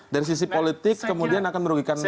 dari sisi politik kemudian akan merugikan negara